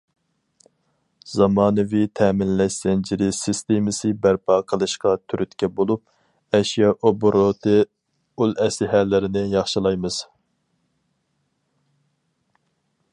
زامانىۋى تەمىنلەش زەنجىرى سىستېمىسى بەرپا قىلىشقا تۈرتكە بولۇپ، ئەشيا ئوبوروتى ئۇل ئەسلىھەلىرىنى ياخشىلايمىز.